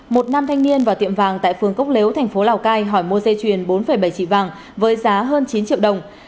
một nam thanh niên vào tiệm vàng tại phường cốc lếu thành phố lào cai hỏi mua dây chuyền bốn bảy trị vàng với giá hơn chín triệu đồng